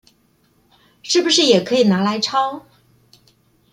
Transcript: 是不是也可以拿來抄